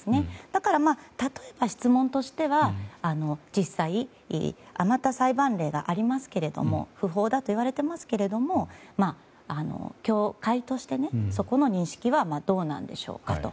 だから、例えば質問としては実際上がった裁判例がありますけど不法だといわれていますけれども教会として、そこの認識はどうなんでしょうかと。